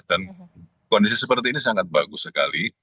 dan kondisi seperti ini sangat bagus sekali